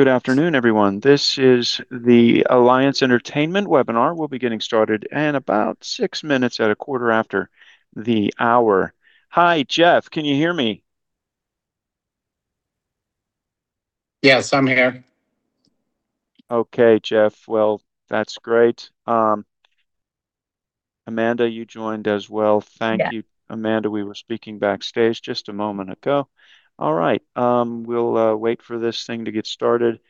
Good afternoon, everyone. This is the Alliance Entertainment webinar. We'll be getting started in about six minutes, at a quarter after the hour. Hi, Jeff. Can you hear me? Yes, I'm here. Okay, Jeff. Well, that's great. Amanda, you joined as well. Yeah. Thank you, Amanda. We were speaking backstage just a moment ago. All right. We'll wait for this thing to get started.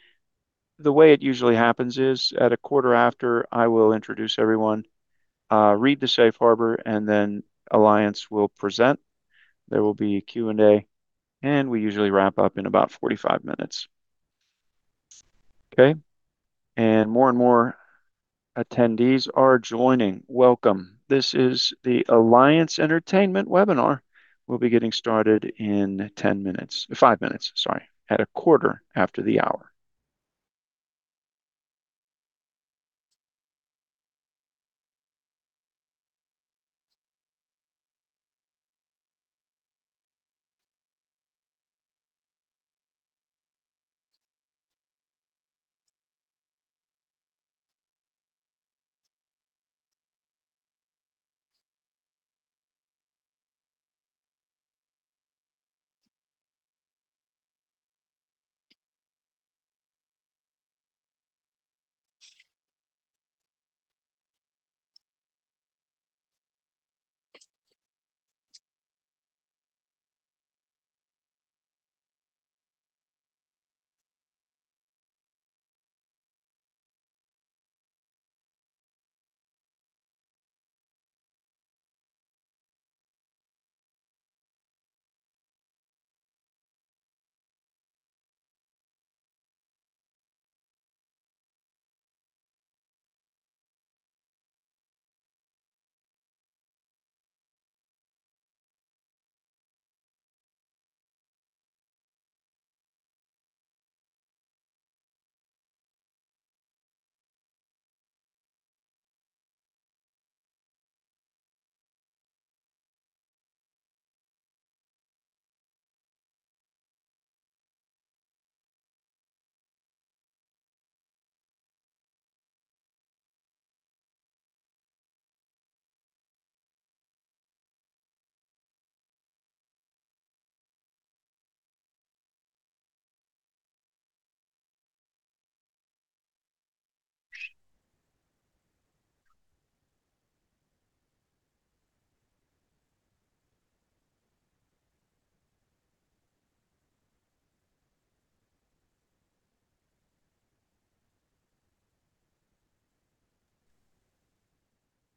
The way it usually happens is, at a quarter after, I will introduce everyone, read the safe harbor, and then Alliance will present. There will be a Q&A, and we usually wrap up in about 45 minutes. Okay. More and more attendees are joining. Welcome. This is the Alliance Entertainment Webinar. We'll be getting started in five minutes, sorry, at a quarter after the hour.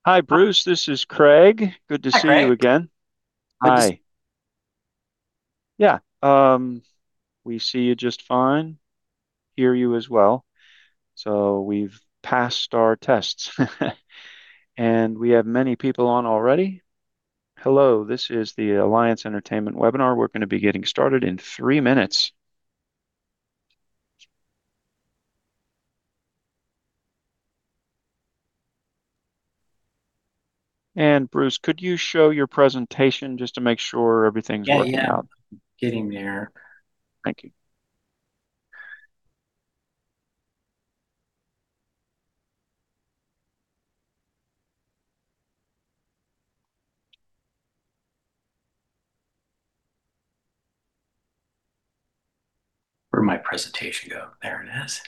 Hi, Bruce, this is Craig. Good to see you again. Hi, Craig. Hi. Yeah. We see you just fine, hear you as well. We've passed our tests. We have many people on already. Hello, this is the Alliance Entertainment webinar. We're going to be getting started in three minutes. Bruce, could you show your presentation just to make sure everything's working out? Yeah. Getting there. Thank you. Where'd my presentation go? There it is.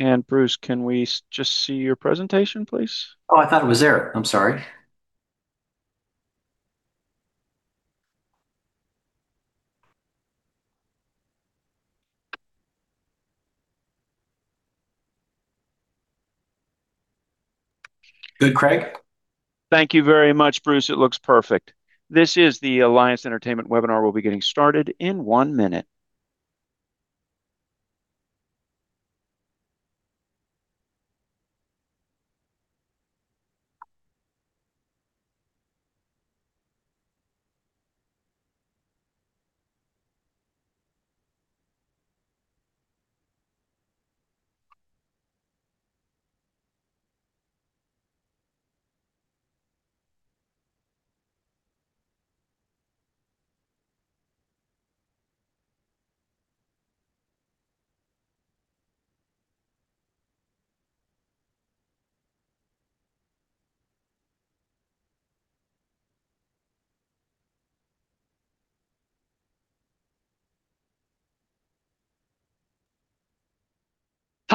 Wow. Bruce, can we just see your presentation, please? Oh, I thought it was there. I'm sorry. Good, Craig? Thank you very much, Bruce. It looks perfect. This is the Alliance Entertainment Webinar. We'll be getting started in one minute.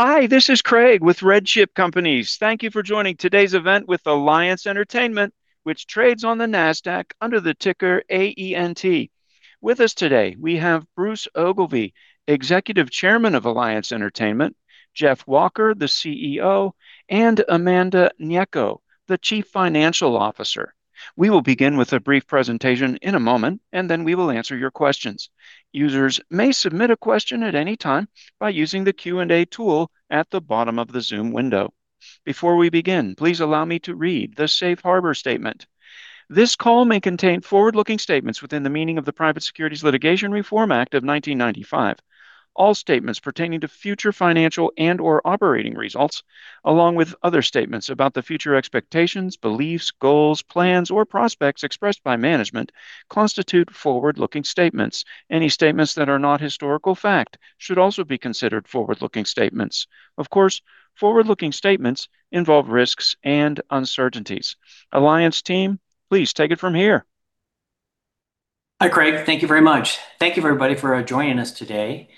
Hi, this is Craig with RedChip Companies. Thank you for joining today's event with Alliance Entertainment, which trades on the Nasdaq under the ticker AENT. With us today, we have Bruce Ogilvie, Executive Chairman of Alliance Entertainment, Jeff Walker, the CEO, and Amanda Gnecco, the Chief Financial Officer. We will begin with a brief presentation in a moment, and then we will answer your questions. Users may submit a question at any time by using the Q&A tool at the bottom of the Zoom window. Before we begin, please allow me to read the safe harbor statement. This call may contain forward-looking statements within the meaning of the Private Securities Litigation Reform Act of 1995. All statements pertaining to future financial and/or operating results, along with other statements about the future expectations, beliefs, goals, plans, or prospects expressed by management, constitute forward-looking statements. Any statements that are not historical fact should also be considered forward-looking statements. Of course, forward-looking statements involve risks and uncertainties. Alliance team, please take it from here. Hi, Craig. Thank you very much. Thank you everybody for joining us today.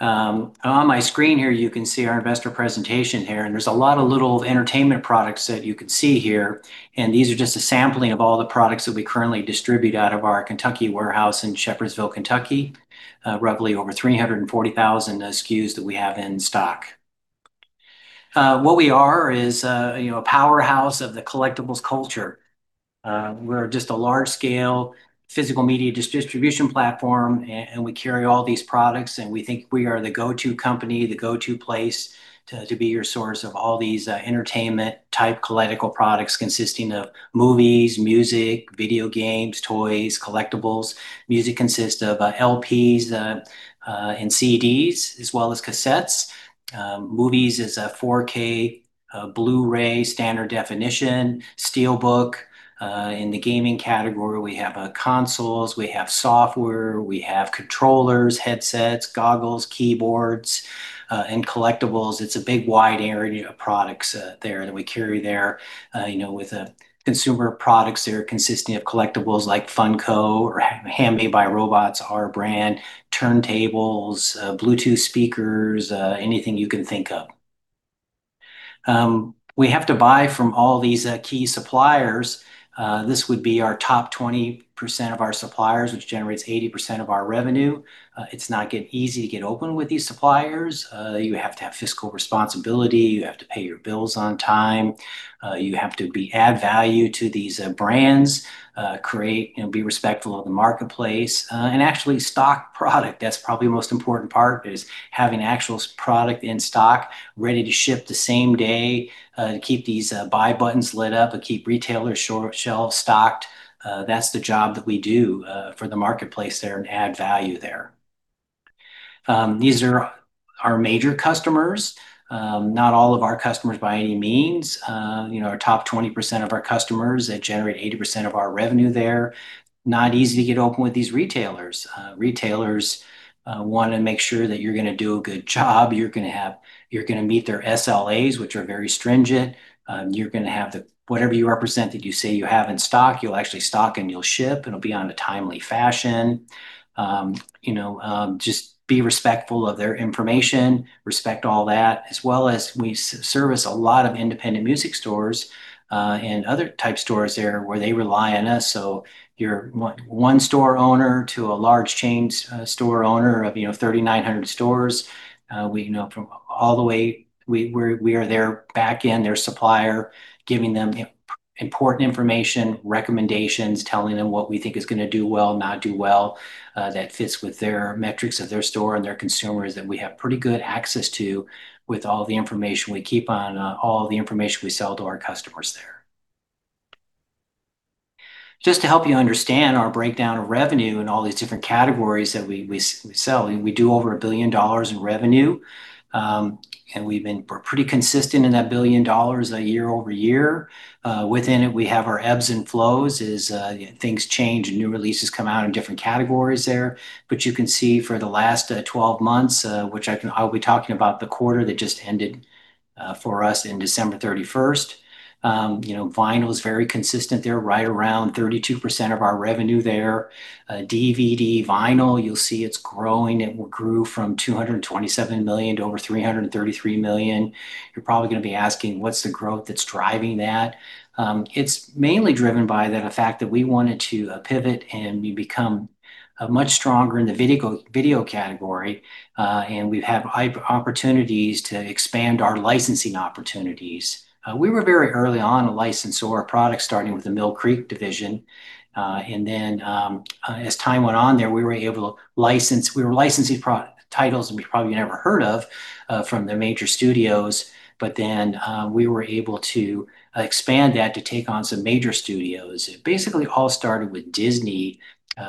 On my screen here, you can see our investor presentation here, and there's a lot of little entertainment products that you can see here. These are just a sampling of all the products that we currently distribute out of our Kentucky warehouse in Shepherdsville, Kentucky. Roughly over 340,000 SKUs that we have in stock. What we are is a powerhouse of the collectibles culture. We're just a large-scale physical media distribution platform, and we carry all these products, and we think we are the go-to company, the go-to place to be your source of all these entertainment-type collectible products consisting of movies, music, video games, toys, collectibles. Music consists of LPs and CDs, as well as cassettes. Movies is a 4K Blu-ray, standard definition, SteelBook. In the gaming category, we have consoles, we have software, we have controllers, headsets, goggles, keyboards, and collectibles. It's a big wide area of products there that we carry there. With consumer products that are consisting of collectibles like Funko or Handmade by Robots, our brand, turntables, Bluetooth speakers, anything you can think of. We have to buy from all these key suppliers. This would be our top 20% of our suppliers, which generates 80% of our revenue. It's not easy to get open with these suppliers. You have to have fiscal responsibility. You have to pay your bills on time. You have to add value to these brands, and be respectful of the marketplace. Actually stock product, that's probably the most important part is having actual product in stock ready to ship the same day, keep these buy buttons lit up, and keep retailers' shelves stocked. That's the job that we do for the marketplace there, and add value there. These are our major customers. Not all of our customers by any means. Our top 20% of our customers that generate 80% of our revenue there. Not easy to get open with these retailers. Retailers want to make sure that you're going to do a good job. You're going to meet their SLAs, which are very stringent. You're going to have whatever you represent that you say you have in stock, you'll actually stock, and you'll ship, and it'll be on a timely fashion. Just be respectful of their information, respect all that. As well as we service a lot of independent music stores, and other type stores there where they rely on us. From one store owner to a large chain store owner of 3,900 stores. We are their back end, their supplier, giving them important information, recommendations, telling them what we think is going to do well, not do well, that fits with their metrics of their store and their consumers that we have pretty good access to with all the information we keep on all the information we sell to our customers there. Just to help you understand our breakdown of revenue in all these different categories that we sell, we do over $1 billion in revenue. We've been pretty consistent in that $1 billion year-over-year. Within it, we have our ebbs and flows as things change and new releases come out in different categories there. You can see for the last 12 months, which I'll be talking about the quarter that just ended for us in December 31st. Vinyl is very consistent there, right around 32% of our revenue there. DVD, vinyl, you'll see it's growing. It grew from $227 million to over $333 million. You're probably going to be asking what's the growth that's driving that? It's mainly driven by the fact that we wanted to pivot and become much stronger in the video category. We have opportunities to expand our licensing opportunities. We were very early on a licensor of products starting with the Mill Creek division. Then, as time went on there, we were licensing product titles that you've probably never heard of from the major studios. We were able to expand that to take on some major studios. It basically all started with Disney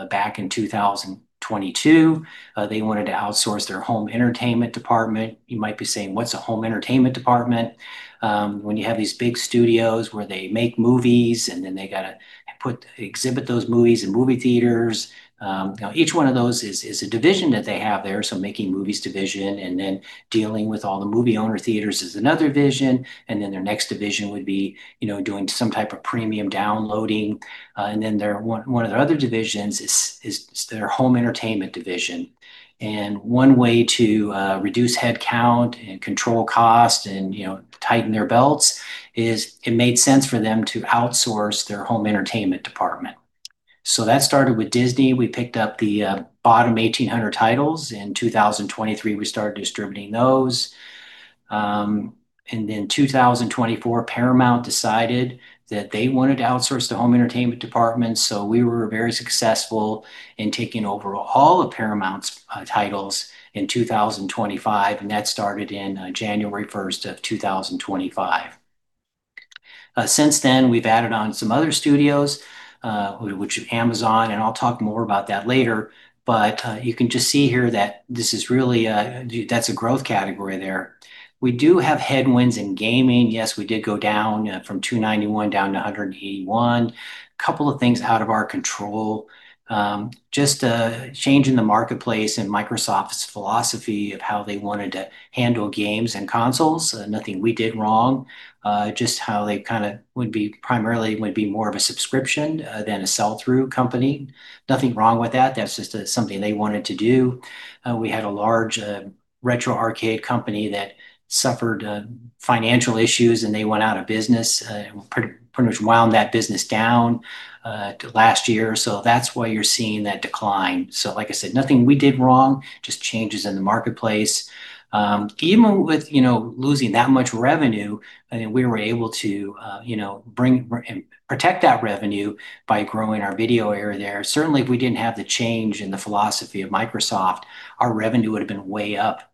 back in 2022. They wanted to outsource their home entertainment department. You might be saying, "What's a home entertainment department?" When you have these big studios where they make movies, and then they got to exhibit those movies in movie theaters. Each one of those is a division that they have there. Making movies division, and then dealing with all the movie theater owners is another division, and then their next division would be doing some type of premium downloading. One of their other divisions is their home entertainment division. One way to reduce headcount and control costs and tighten their belts is it made sense for them to outsource their home entertainment department. That started with Disney. We picked up the bottom 1,800 titles. In 2023, we started distributing those. In 2024, Paramount decided that they wanted to outsource the home entertainment department, so we were very successful in taking over all of Paramount's titles in 2025, and that started in January 1st of 2025. Since then, we've added on some other studios, which is Amazon, and I'll talk more about that later. You can just see here that this is really a growth category there. We do have headwinds in gaming. Yes, we did go down from 291-181. Couple of things out of our control. Just a change in the marketplace and Microsoft's philosophy of how they wanted to handle games and consoles. Nothing we did wrong, just how they primarily would be more of a subscription than a sell-through company. Nothing wrong with that. That's just something they wanted to do. We had a large retro arcade company that suffered financial issues, and they went out of business. Pretty much wound that business down last year, so that's why you're seeing that decline. Like I said, nothing we did wrong, just changes in the marketplace. Even with losing that much revenue, we were able to protect that revenue by growing our video area there. Certainly, if we didn't have the change in the philosophy of Microsoft, our revenue would've been way up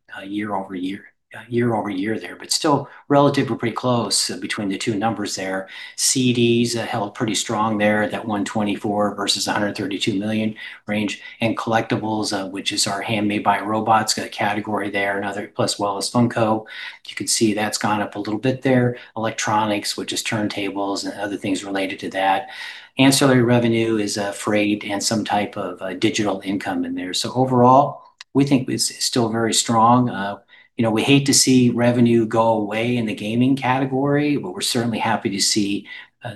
year-over-year there, but still relatively pretty close between the two numbers there. CDs held pretty strong there, that $124 million versus $132 million range. Collectibles, which is our Handmade by Robots category there, plus as well as Funko. You can see that's gone up a little bit there. Electronics, which is turntables and other things related to that. Ancillary revenue is freight and some type of digital income in there. Overall, we think it's still very strong. We hate to see revenue go away in the gaming category, but we're certainly happy to see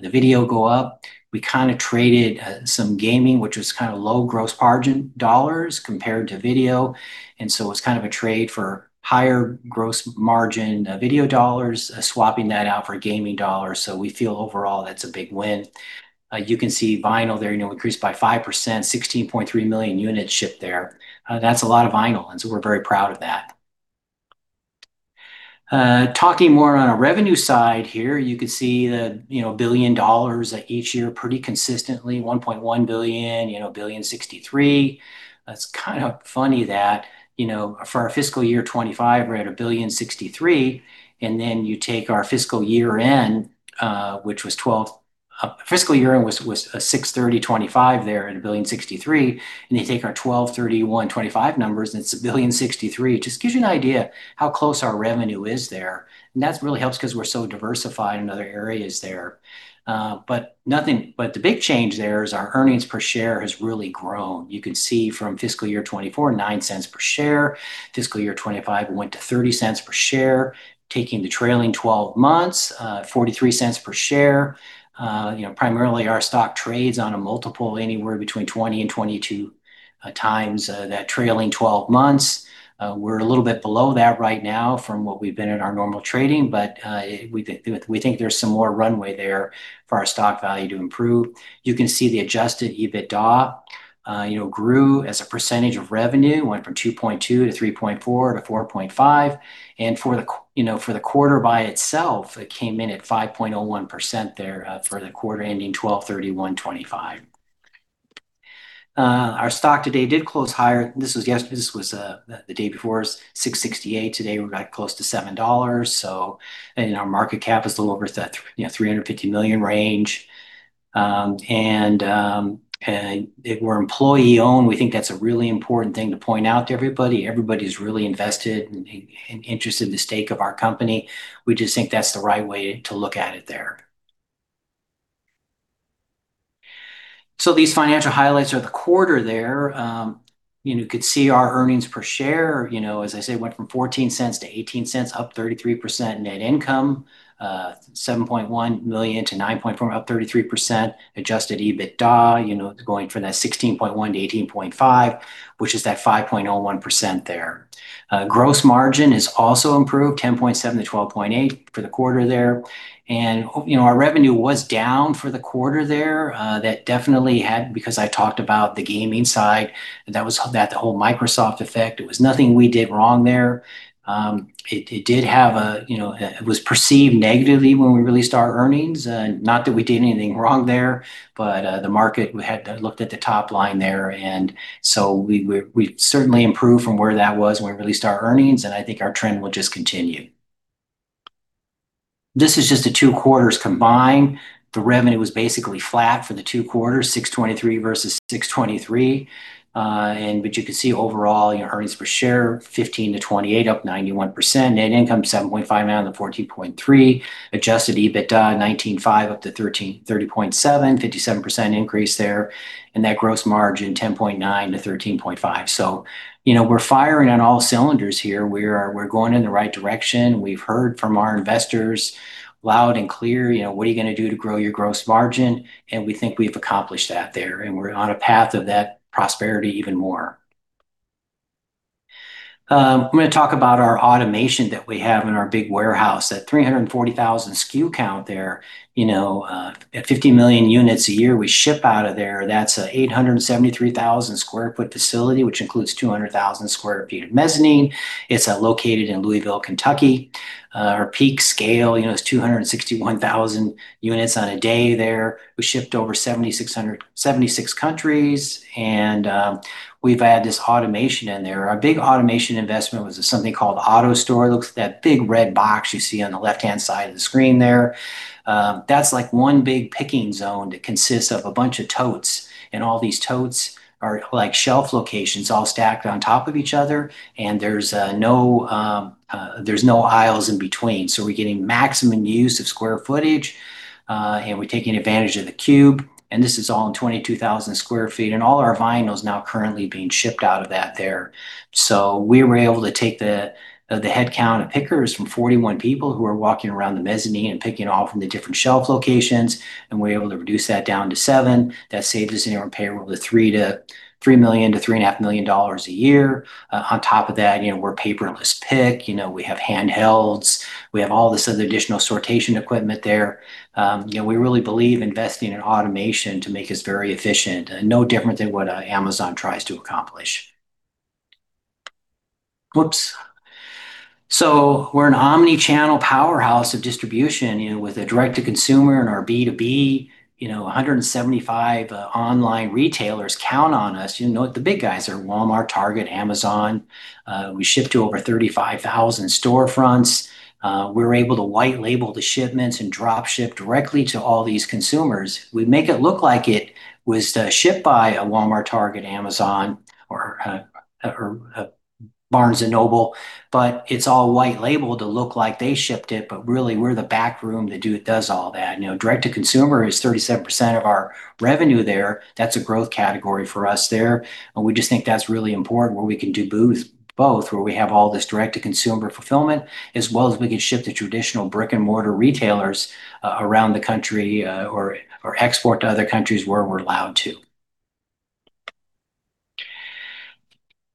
the video go up. We traded some gaming, which was low gross margin dollars compared to video, and so it was a trade for higher gross margin video dollars, swapping that out for gaming dollars. We feel overall that's a big win. You can see vinyl there increased by 5%, 16.3 million units shipped there. That's a lot of vinyl, and so we're very proud of that. Talking more on a revenue side here, you can see the billion dollars each year pretty consistently, $1.1 billion, $1 billion, $63 million. It's kind of funny that for our FY 2025, we're at $1.063 billion, and then you take our fiscal year end, fiscal year end was $630 million, FY 2025 there at $1.063 billion, and you take our 12/31/2025 numbers, and it's $1.063 billion. Just gives you an idea how close our revenue is there. That really helps because we're so diversified in other areas there. The big change there is our earnings per share has really grown. You can see from FY 2024, $0.09 per share. FY 2025 went to $0.30 per share. Taking the trailing 12 months, $0.43 per share. Primarily our stock trades on a multiple anywhere between 20x and 22x that trailing 12 months. We're a little bit below that right now from what we've been at our normal trading, but we think there's some more runway there for our stock value to improve. You can see the adjusted EBITDA grew as a percentage of revenue, went from 2.2%-3.4%-4.5%. For the quarter by itself, it came in at 5.01% there for the quarter ending 12/31/2025. Our stock today did close higher. This was yesterday. This was the day before. It was $6.68. Today, we're right close to $7. Our market cap is a little over that $350 million range. We're employee-owned. We think that's a really important thing to point out to everybody. Everybody's really invested and interested in the stake of our company. We just think that's the right way to look at it there. These financial highlights are the quarter there. You could see our earnings per share, as I say, went from $0.14-$0.18, up 33%. Net income $7.1 million-$9.4 million, up 33%. Adjusted EBITDA going from that $16.1 million-$18.5 million, which is that 5.01% there. Gross margin is also improved 10.7%-12.8% for the quarter there. Our revenue was down for the quarter there. That definitely had because I talked about the gaming side. That whole Microsoft effect. It was nothing we did wrong there. It was perceived negatively when we released our earnings. Not that we did anything wrong there, but the market had looked at the top line there. We certainly improved from where that was when we released our earnings, and I think our trend will just continue. This is just the two quarters combined. The revenue was basically flat for the two quarters, $623 million versus $623 million. You can see overall, earnings per share, $0.15-$0.28, up 91%. Net income, $7.5 million-$14.3 million. Adjusted EBITDA, $19.5 million-$30.7 million, 57% increase there. That gross margin, 10.9%-13.5%. We're firing on all cylinders here. We're going in the right direction. We've heard from our investors loud and clear, "What are you going to do to grow your gross margin?" We think we've accomplished that there, and we're on a path of that prosperity even more. I'm going to talk about our automation that we have in our big warehouse, that 340,000 SKU count there. At 50 million units a year we ship out of there, that's a 873,000 sq ft facility, which includes 200,000 sq ft of mezzanine. It's located in Louisville, Kentucky. Our peak scale is 261,000 units on a day there. We ship to over 76 countries. We've added this automation in there. Our big automation investment was something called AutoStore. Look at that big red box you see on the left-hand side of the screen there. That's one big picking zone that consists of a bunch of totes, and all these totes are like shelf locations all stacked on top of each other. There's no aisles in between. We're getting maximum use of square footage, and we're taking advantage of the cube. This is all in 22,000 sq ft. All our vinyl's now currently being shipped out of that there. We were able to take the headcount of pickers from 41 people who are walking around the mezzanine and picking off from the different shelf locations, and we're able to reduce that down to seven. That saves us anywhere from $3 million-$3.5 million a year. On top of that, we're paperless pick. We have handhelds. We have all this other additional sortation equipment there. We really believe investing in automation to make us very efficient, no different than what Amazon tries to accomplish. We're an omni-channel powerhouse of distribution, with a direct-to-consumer and our B2B. 175 online retailers count on us, the big guys are Walmart, Target, Amazon. We ship to over 35,000 storefronts. We're able to white label the shipments and drop ship directly to all these consumers. We make it look like it was shipped by a Walmart, Target, Amazon, or a Barnes & Noble, but it's all white labeled to look like they shipped it. Really, we're the back room that does all that. Direct-to-consumer is 37% of our revenue there. That's a growth category for us there. We just think that's really important where we can do both, where we have all this direct-to-consumer fulfillment, as well as we can ship to traditional brick-and-mortar retailers around the country, or export to other countries where we're allowed to.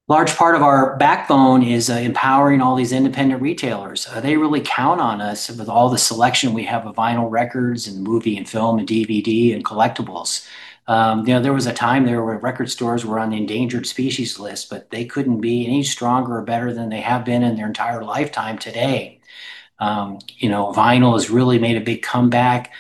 A large part of our backbone is empowering all these independent retailers. They really count on us with all the selection we have of vinyl records and movie and film and DVD and collectibles. There was a time there where record stores were on the endangered species list, but they couldn't be any stronger or better than they have been in their entire lifetime today. Vinyl has really made a big comeback.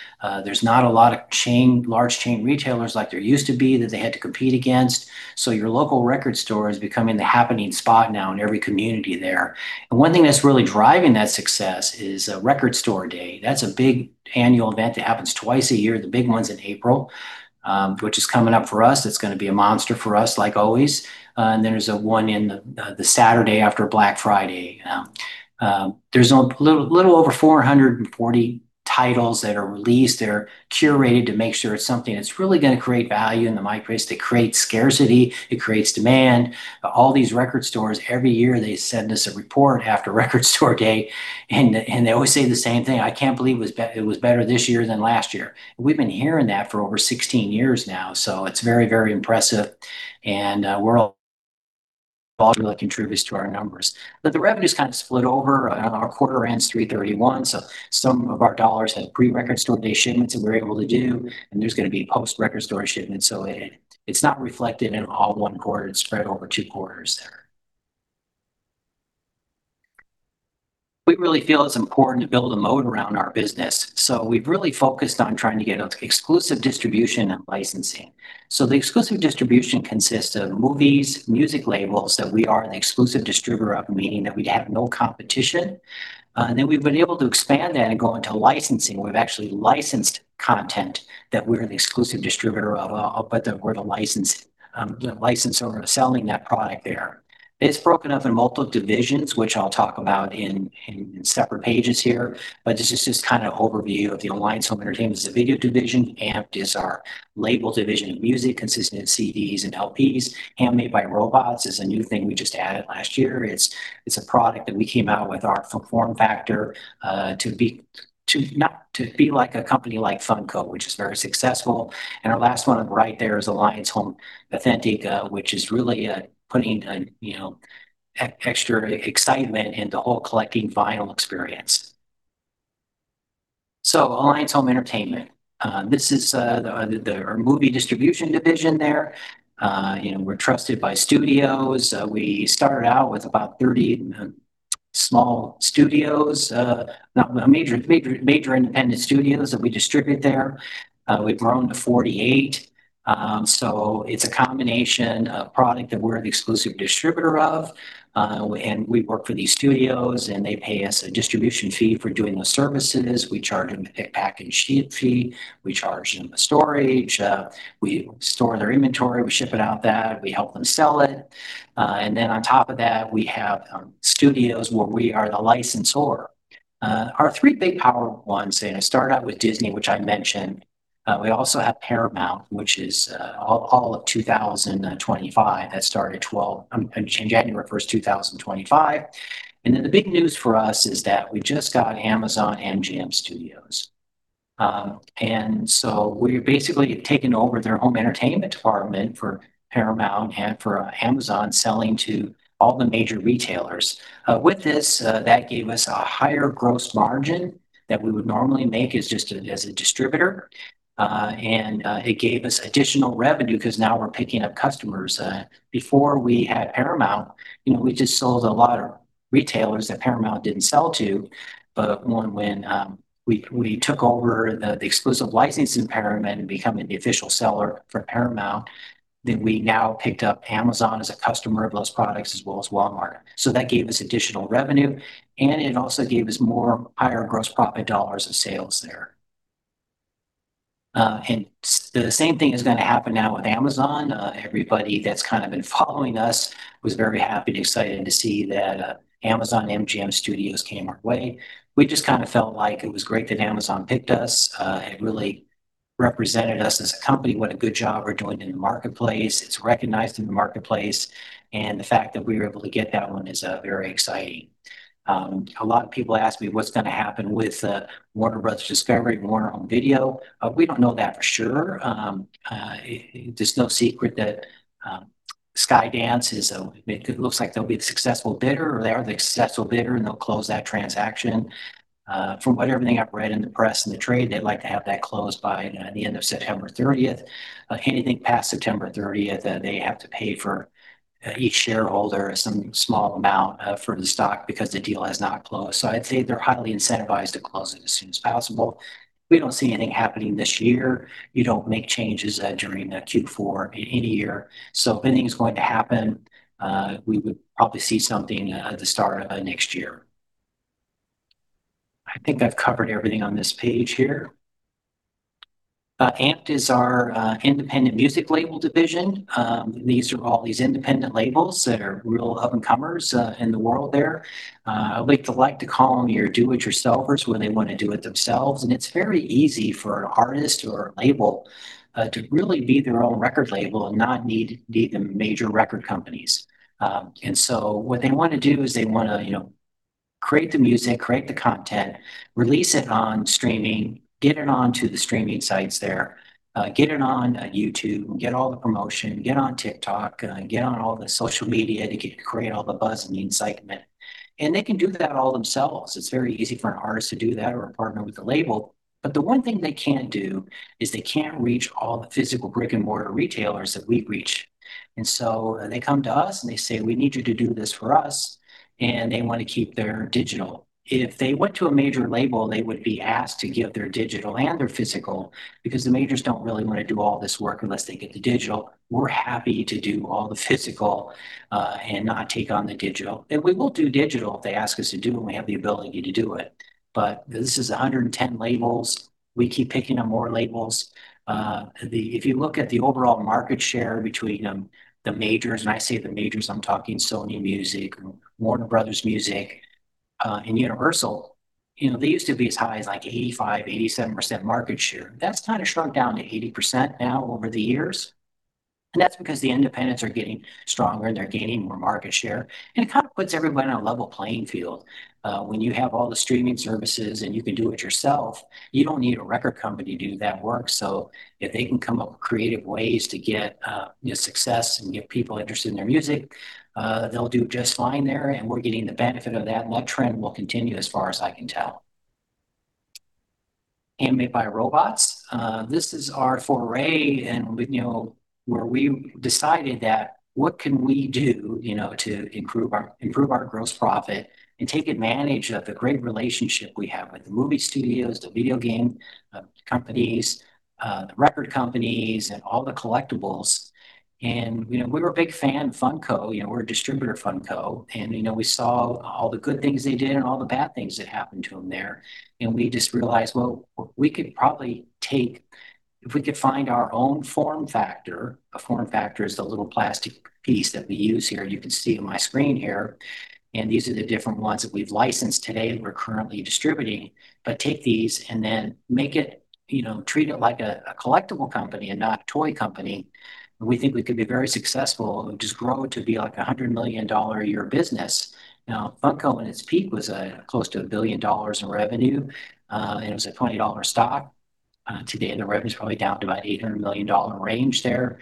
There's not a lot of large chain retailers like there used to be that they had to compete against. Your local record store is becoming the happening spot now in every community there. One thing that's really driving that success is Record Store Day. That's a big annual event that happens twice a year. The big one's in April, which is coming up for us. It's going to be a monster for us, like always. There's one on the Saturday after Black Friday. There's a little over 440 titles that are released. They're curated to make sure it's something that's really going to create value in the marketplace, that creates scarcity, it creates demand. All these record stores, every year, they send us a report after Record Store Day, and they always say the same thing. "I can't believe it was better this year than last year." We've been hearing that for over 16 years now, so it's very, very impressive. It all really contributes to our numbers. But the revenue's kind of split over. Our quarter ends 3/31, so some of our dollars have pre-Record Store Day shipments that we're able to do, and there's going to be post-Record Store Day shipments. It's not reflected in all one quarter. It's spread over two quarters there. We really feel it's important to build a moat around our business, so we've really focused on trying to get exclusive distribution and licensing. The exclusive distribution consists of movies, music labels that we are the exclusive distributor of, meaning that we'd have no competition. We've been able to expand that and go into licensing. We've actually licensed content that we're the exclusive distributor of, but that we're the license owner of selling that product there. It's broken up in multiple divisions, which I'll talk about in separate pages here. This is just kind of overview of the Alliance Home Entertainment is a video division. AMPED is our label division of music, consisting of CDs and LPs. Handmade by Robots is a new thing we just added last year. It's a product that we came out with our form factor, to be like a company like Funko, which is very successful. Our last one on the right there is Alliance Authentic, which is really putting an extra excitement into whole collecting vinyl experience. Alliance Home Entertainment. This is our movie distribution division there. We're trusted by studios. We started out with about 30 small studios, major independent studios that we distribute there. We've grown to 48. It's a combination of product that we're the exclusive distributor of. We work for these studios, and they pay us a distribution fee for doing the services. We charge them a pick, pack, and ship fee. We charge them a storage. We store their inventory. We ship it out there, we help them sell it. On top of that, we have studios where we are the licensor. Our three big powerhouses, I started out with Disney, which I mentioned. We also have Paramount, which is all of 2025. That started January 1st, 2025. The big news for us is that we just got Amazon MGM Studios. We've basically taken over their home entertainment department for Paramount and for Amazon, selling to all the major retailers. With this, that gave us a higher gross margin that we would normally make as just a distributor. It gave us additional revenue because now we're picking up customers. Before we had Paramount, we just sold to a lot of retailers that Paramount didn't sell to. When we took over the exclusive licensing Paramount and becoming the official seller for Paramount, then we now picked up Amazon as a customer of those products, as well as Walmart. That gave us additional revenue, and it also gave us more higher gross profit dollars of sales there. The same thing is going to happen now with Amazon. Everybody that's been following us was very happy and excited to see that Amazon and MGM Studios came our way. We just felt like it was great that Amazon picked us. It really represented us as a company, what a good job we're doing in the marketplace. It's recognized in the marketplace, and the fact that we were able to get that one is very exciting. A lot of people ask me what's going to happen with Warner Bros. Discovery and Warner Bros. on video. We don't know that for sure. It's no secret that Skydance, it looks like they'll be the successful bidder, or they are the successful bidder, and they'll close that transaction. From everything I've read in the press and the trade, they'd like to have that closed by the end of September 30th. Anything past September 30th, they have to pay for each shareholder some small amount for the stock because the deal has not closed. I'd say they're highly incentivized to close it as soon as possible. We don't see anything happening this year. You don't make changes during Q4 in any year. If anything's going to happen, we would probably see something at the start of next year. I think I've covered everything on this page here. AMPED is our independent music label division. These are all these independent labels that are real up-and-comers in the world there. We like to call them your do-it-yourselfers when they want to do it themselves, and it's very easy for an artist or a label to really be their own record label and not need the major record companies. What they want to do is they want to create the music, create the content, release it on streaming, get it onto the streaming sites there, get it on YouTube, get all the promotion, get on TikTok, get on all the social media to create all the buzz and the excitement. They can do that all themselves. It's very easy for an artist to do that or partner with a label. The one thing they can't do is they can't reach all the physical brick-and-mortar retailers that we reach. They come to us, and they say, "We need you to do this for us." They want to keep their digital. If they went to a major label, they would be asked to give their digital and their physical because the majors don't really want to do all this work unless they get the digital. We're happy to do all the physical and not take on the digital. We will do digital if they ask us to do, and we have the ability to do it. This is 110 labels. We keep picking up more labels. If you look at the overall market share between the majors, and I say the majors, I'm talking Sony Music, Warner Music Group, and Universal. They used to be as high as, like, 85%, 87% market share. That's kind of shrunk down to 80% now over the years. That's because the independents are getting stronger, and they're gaining more market share. It kind of puts everyone on a level playing field. When you have all the streaming services and you can do it yourself, you don't need a record company to do that work. If they can come up with creative ways to get success and get people interested in their music, they'll do just fine there, and we're getting the benefit of that, and that trend will continue as far as I can tell. Handmade by Robots. This is our foray and where we decided that what can we do to improve our gross profit and take advantage of the great relationship we have with the movie studios, the video game companies, the record companies, and all the collectibles. We were a big fan of Funko. We're a distributor of Funko. We saw all the good things they did and all the bad things that happened to them there. We just realized, well, we could probably take. If we could find our own form factor, a form factor is the little plastic piece that we use here, you can see on my screen here, and these are the different ones that we've licensed today that we're currently distributing. Take these and then treat it like a collectible company and not a toy company. We think we could be very successful and just grow it to be like $100 million a year business. Now, Funko in its peak was close to $1 billion in revenue. It was a $20 stock. Today, the revenue is probably down to about $800 million range there.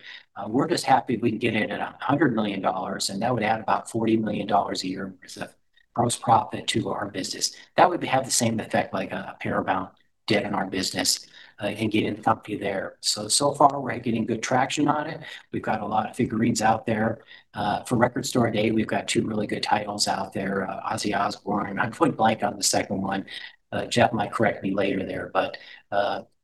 We're just happy we can get it at $100 million, and that would add about $40 million a year of gross profit to our business. That would have the same effect like a Paramount did in our business and get it up there. so far, we're getting good traction on it. We've got a lot of figurines out there. For Record Store Day, we've got two really good titles out there, Ozzy Osbourne. I'm going blank on the second one. Jeff might correct me later there, but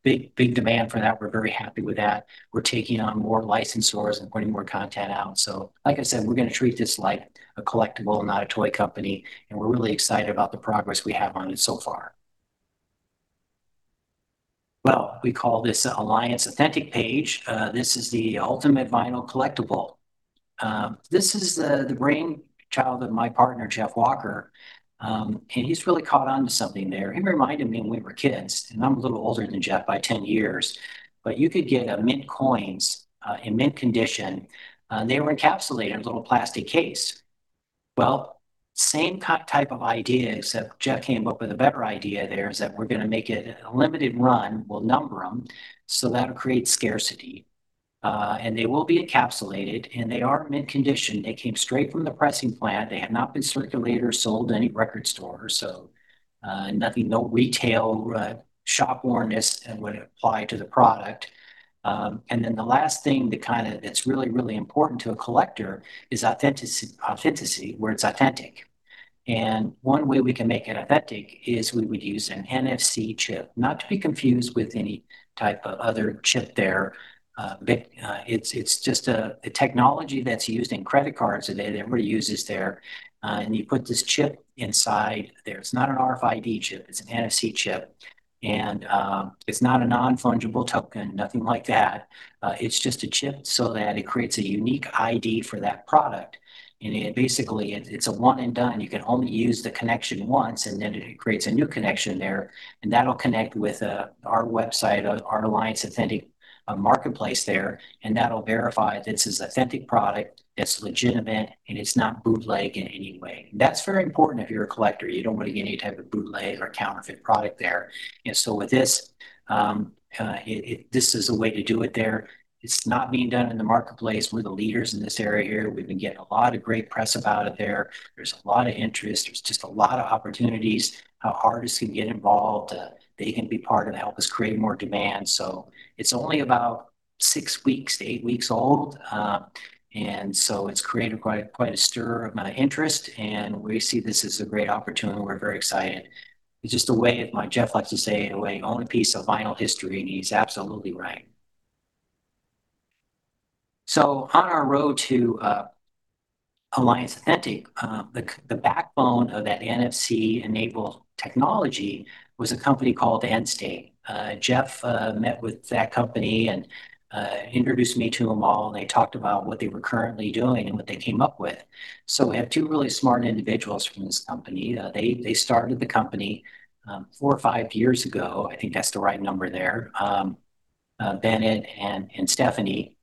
big demand for that. We're very happy with that. We're taking on more licensors and putting more content out. like I said, we're going to treat this like a collectible, not a toy company, and we're really excited about the progress we have on it so far. Well, we call this Alliance Authentic Page. This is the ultimate vinyl collectible. This is the brainchild of my partner, Jeff Walker. He's really caught on to something there. He reminded me when we were kids, and I'm a little older than Jeff by 10 years, but you could get mint coins in mint condition. They were encapsulated in a little plastic case. Well, same type of idea, except Jeff came up with a better idea there, is that we're going to make it a limited run. We'll number them, so that'll create scarcity. They will be encapsulated, and they are mint condition. They came straight from the pressing plant. They have not been circulated or sold to any record store. Nothing, no retail shop worn-ness would apply to the product. Then the last thing that's really, really important to a collector is authenticity, where it's authentic. One way we can make it authentic is we would use an NFC chip, not to be confused with any type of other chip there. It's just a technology that's used in credit cards today that everybody uses there. You put this chip inside there. It's not an RFID chip, it's an NFC chip, and it's not a non-fungible token, nothing like that. It's just a chip so that it creates a unique ID for that product. Basically, it's a one and done. You can only use the connection once, and then it creates a new connection there, and that'll connect with our website, our Alliance Authentic marketplace there, and that'll verify this is authentic product, it's legitimate, and it's not bootleg in any way. That's very important if you're a collector. You don't want to get any type of bootleg or counterfeit product there. With this is a way to do it there. It's not being done in the marketplace. We're the leaders in this area here. We've been getting a lot of great press about it there. There's a lot of interest. There's just a lot of opportunities. Our artists can get involved. They can be part and help us create more demand. It's only about six weeks to eight weeks old. It's created quite a stir of interest, and we see this as a great opportunity, and we're very excited. It's just a way, like Jeff likes to say, in a way, own a piece of vinyl history, and he's absolutely right. On our road to Alliance Authentic, the backbone of that NFC-enabled technology was a company called Endstate. Jeff met with that company and introduced me to them all, and they talked about what they were currently doing and what they came up with. We have two really smart individuals from this company. They started the company four or five years ago. I think that's the right number there. Bennett and Stephanie.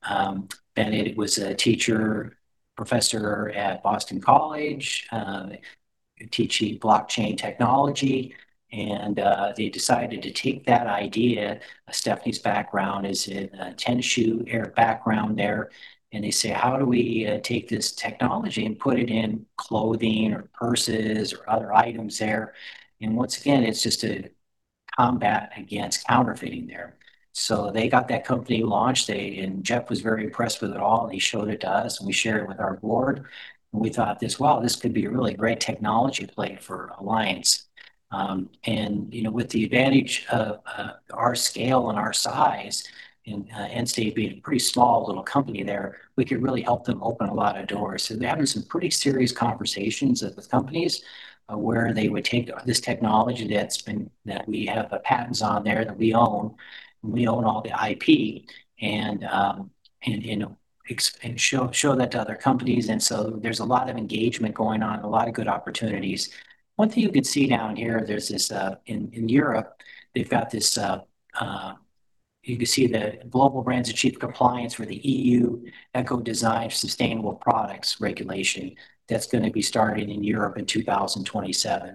Bennett was a teacher, professor at Boston College, teaching blockchain technology. They decided to take that idea. Stephanie's background is in a sneaker background there, and they say, "How do we take this technology and put it in clothing or purses or other items there?" Once again, it's just to combat against counterfeiting there. They got that company launched, and Jeff was very impressed with it all, and he showed it to us, and we shared it with our board, and we thought, "Wow, this could be a really great technology play for Alliance." With the advantage of our scale and our size, and Endstate being a pretty small little company there, we could really help them open a lot of doors. We're having some pretty serious conversations with companies where they would take this technology that we have patents on there, that we own, and we own all the IP, and show that to other companies, and so there's a lot of engagement going on and a lot of good opportunities. One thing you can see down here, in Europe, you can see the Global Brands Achievement compliance for the EU Ecodesign for Sustainable Products Regulation that's going to be starting in Europe in 2027.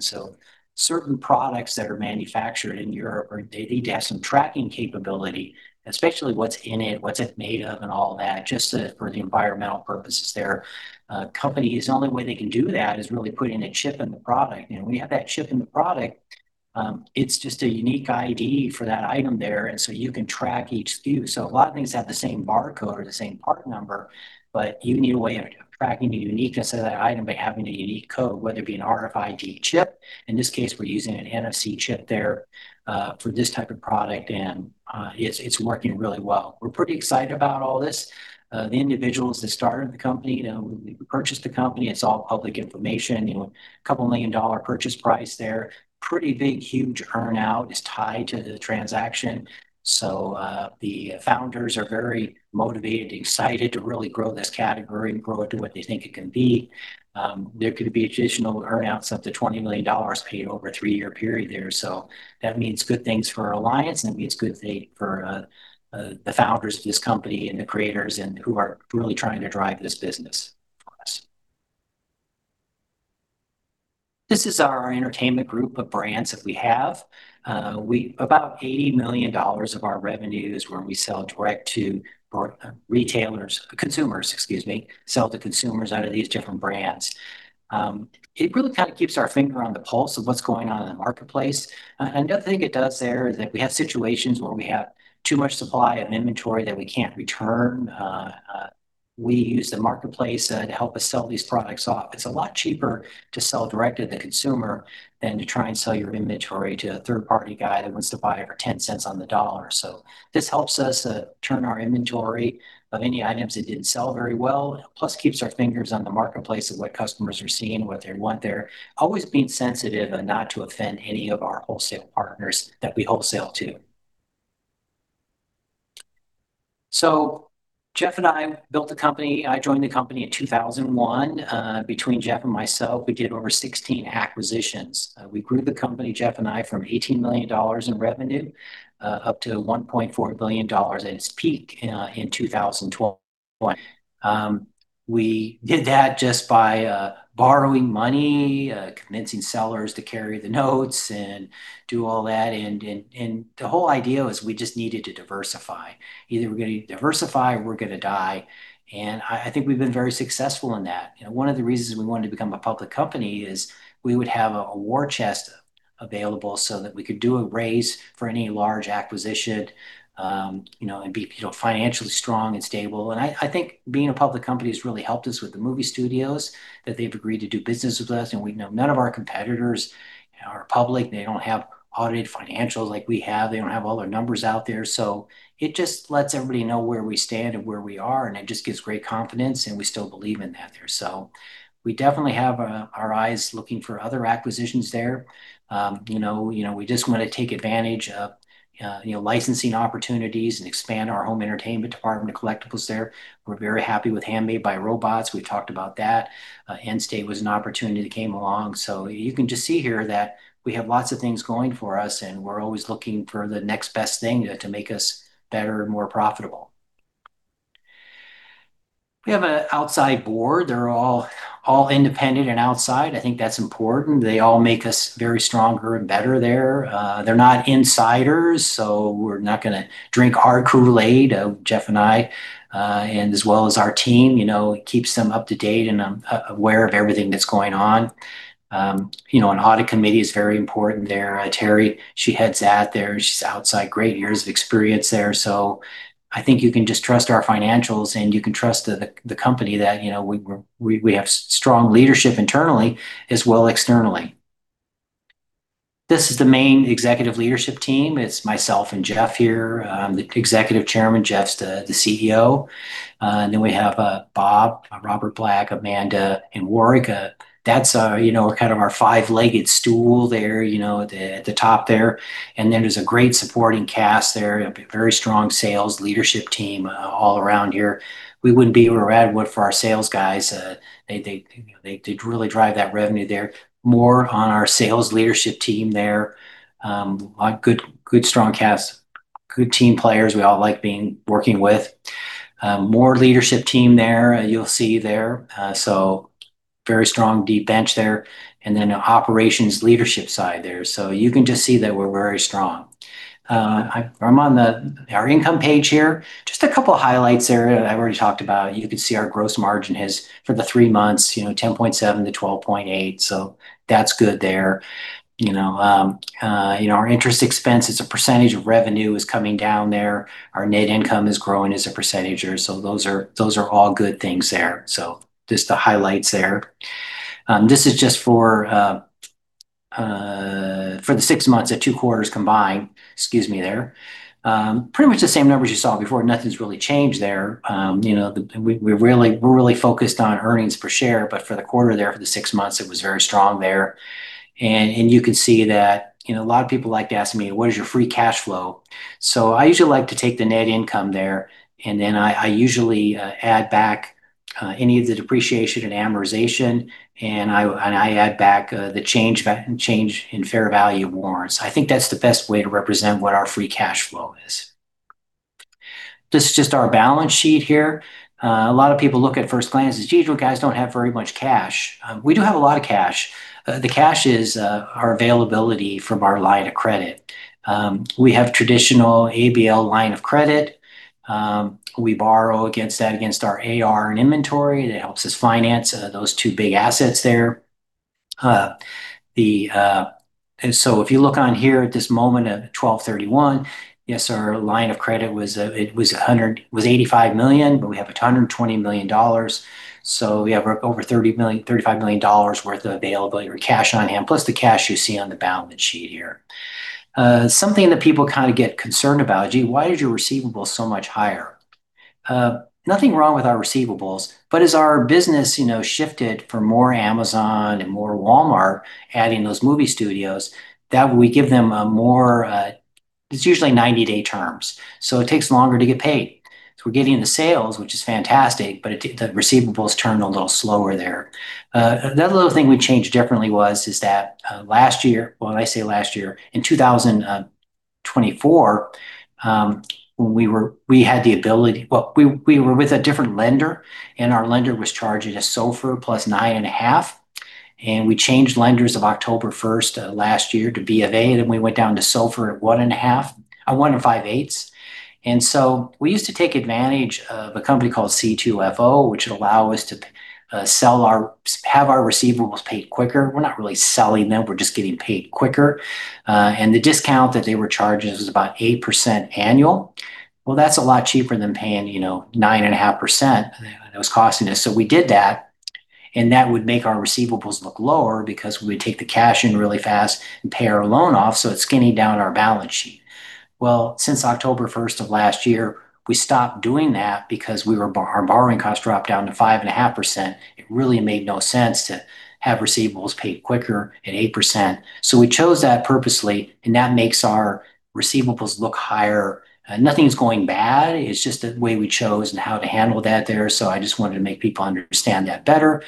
Certain products that are manufactured in Europe, they need to have some tracking capability, especially what's in it, what's it made of, and all that, just for the environmental purposes there. Companies, the only way they can do that is really putting a chip in the product. When you have that chip in the product, it's just a unique ID for that item there, and so you can track each SKU. A lot of things have the same barcode or the same part number, but you need a way of tracking the uniqueness of that item by having a unique code, whether it be an RFID chip. In this case, we're using an NFC chip there for this type of product, and it's working really well. We're pretty excited about all this. The individuals that started the company, we purchased the company. It's all public information, a $2 million purchase price there. Pretty big, huge earn-out is tied to the transaction. The founders are very motivated and excited to really grow this category and grow it to what they think it can be. There could be additional earn-outs up to $20 million paid over a three-year period there. That means good things for Alliance, and that means good things for the founders of this company and the creators who are really trying to drive this business for us. This is our entertainment group of brands that we have. About $80 million of our revenue is where we sell direct to retailers, consumers, excuse me. Sell to consumers out of these different brands. It really kind of keeps our finger on the pulse of what's going on in the marketplace. Another thing it does there is that we have situations where we have too much supply of inventory that we can't return. We use the marketplace to help us sell these products off. It's a lot cheaper to sell direct to the consumer than to try and sell your inventory to a third party guy that wants to buy it for $0.10 on the dollar. This helps us turn our inventory of any items that didn't sell very well, plus keeps our fingers on the marketplace of what customers are seeing, what they want there, always being sensitive and not to offend any of our wholesale partners that we wholesale to. Jeff and I built the company. I joined the company in 2001. Between Jeff and myself, we did over 16 acquisitions. We grew the company, Jeff and I, from $18 million in revenue up to $1.4 billion at its peak in 2012. We did that just by borrowing money, convincing sellers to carry the notes and do all that. The whole idea was we just needed to diversify. Either we're going to diversify or we're going to die, and I think we've been very successful in that. One of the reasons we wanted to become a public company is we would have a war chest available so that we could do a raise for any large acquisition, and be financially strong and stable. I think being a public company has really helped us with the movie studios, that they've agreed to do business with us, and we know none of our competitors are public. They don't have audited financials like we have. They don't have all their numbers out there. It just lets everybody know where we stand and where we are, and it just gives great confidence, and we still believe in that there. We definitely have our eyes looking for other acquisitions there. We just want to take advantage of licensing opportunities and expand our home entertainment department of collectibles there. We're very happy with Handmade by Robots. We talked about that. Endstate was an opportunity that came along. You can just see here that we have lots of things going for us, and we're always looking for the next best thing to make us better and more profitable. We have an outside board. They're all independent and outside. I think that's important. They all make us very stronger and better there. They're not insiders, so we're not going to drink our Kool-Aid, Jeff and I, and as well as our team. It keeps them up to date and aware of everything that's going on. An audit committee is very important there. Teri, she heads that there. She's outside, great years of experience there. I think you can just trust our financials and you can trust the company that we have strong leadership internally as well externally. This is the main executive leadership team. It's myself and Jeff here. I'm the Executive Chairman. Jeff's the CEO. Then we have Bob, Robert Blackburn, Amanda, and Warwick. That's our five-legged stool there at the top there. Then there's a great supporting cast there, a very strong sales leadership team all around here. We wouldn't be where we're at if it weren't for our sales guys. They really drive that revenue there. More on our sales leadership team there. A good strong cast, good team players we all like working with. More leadership team there, you'll see there. Very strong, deep bench there, and then an operations leadership side there. You can just see that we're very strong. I'm on our income page here. Just a couple highlights there that I've already talked about. You can see our gross margin has for the three months 10.7%-12.8%, so that's good there. Our interest expense as a percentage of revenue is coming down there. Our net income is growing as a percentage there. Those are all good things there. Just the highlights there. This is just for the six months, the two quarters combined. Excuse me there. Pretty much the same numbers you saw before. Nothing's really changed there. We're really focused on earnings per share. For the quarter there, for the six months, it was very strong there. You can see that a lot of people like to ask me, "What is your free cash flow?" I usually like to take the net income there, and then I usually add back any of the depreciation and amortization, and I add back the change in fair value of warrants. I think that's the best way to represent what our free cash flow is. This is just our balance sheet here. A lot of people look at first glance and say, "Gee, you guys don't have very much cash." We do have a lot of cash. The cash is our availability from our line of credit. We have traditional ABL line of credit. We borrow against that, against our AR and inventory. That helps us finance those two big assets there. If you look on here at this moment at 12/31, yes, our line of credit was $85 million, but we have $120 million. We have over $35 million worth of availability or cash on hand, plus the cash you see on the balance sheet here. Something that people kind of get concerned about, "Gee, why is your receivables so much higher?" Nothing wrong with our receivables, but as our business shifted for more Amazon and more Walmart, adding those movie studios, we give them more. It's usually 90-day terms. It takes longer to get paid. We're getting the sales, which is fantastic, but the receivables turn a little slower there. The other little thing we changed differently was that last year, well, when I say last year, in 2024, we were with a different lender, and our lender was charging us SOFR + 9.5%. We changed lenders on October 1st of last year to B of A, then we went down to SOFR + 1.625. We used to take advantage of a company called C2FO, which would allow us to have our receivables paid quicker. We're not really selling them, we're just getting paid quicker. The discount that they were charging us was about 8% annual. Well, that's a lot cheaper than paying 9.5% that was costing us. We did that, and that would make our receivables look lower because we would take the cash in really fast and pay our loan off, so it's skinny down our balance sheet. Well, since October 1st of last year, we stopped doing that because our borrowing cost dropped down to 5.5%. It really made no sense to have receivables paid quicker at 8%. We chose that purposely, and that makes our receivables look higher. Nothing's going bad. It's just the way we chose and how to handle that there. I just wanted to make people understand that better.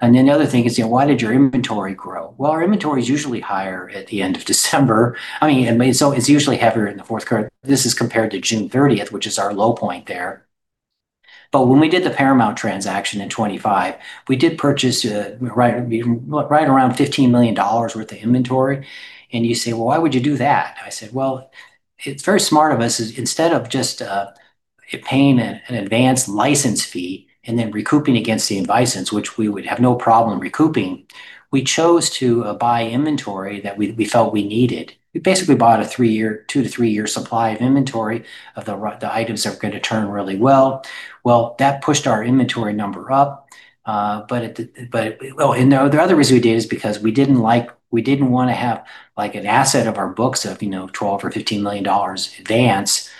Then the other thing is, "Why did your inventory grow?" Well, our inventory is usually higher at the end of December. It's usually heavier in the fourth quarter. This is compared to June 30th, which is our low point there. When we did the Paramount transaction in 2025, we did purchase right around $15 million worth of inventory. You say, "Well, why would you do that?" I said, "Well, it's very smart of us, instead of just paying an advanced license fee and then recouping against the license, which we would have no problem recouping, we chose to buy inventory that we felt we needed." We basically bought a two- to three-year supply of inventory of the items that were going to turn really well. Well, that pushed our inventory number up. The other reason we did is because we didn't want to have an asset on our books of $12 million or $15 million advance,